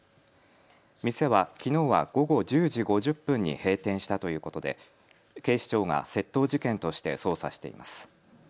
店はきのうは午後１０時５０分に閉店したということで警視庁が窃盗事件として捜査しています。